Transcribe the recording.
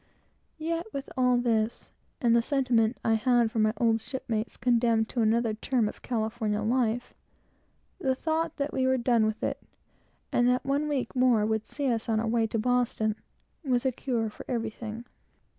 Yet, with all this, and the feeling I had for my old shipmates, condemned to another term of California life, the thought that we were done with it, and that one week more would see us on our way to Boston, was a cure for everything.